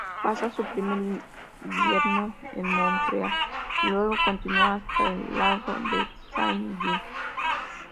Pasa su primer invierno en Montreal y luego continúa hasta el lago de Saint-Jean.